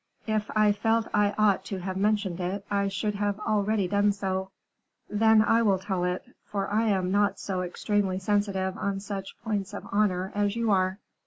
"If I felt I ought to have mentioned it, I should have already done so." "Then I will tell it, for I am not so extremely sensitive on such points of honor as you are."